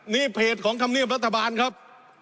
นี่เพจของธรรมเนียบรัฐบาลครับ